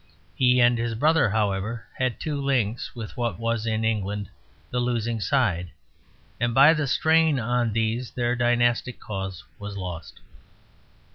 He and his brother, however, had two links with what was in England the losing side; and by the strain on these their dynastic cause was lost.